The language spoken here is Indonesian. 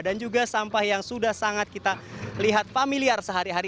dan juga sampah yang sudah sangat kita lihat familiar sehari hari